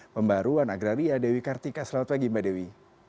pembaruan agraria dewi kartika selamat pagi mbak dewi